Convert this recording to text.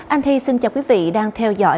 anh thi xin chào quý vị đang theo dõi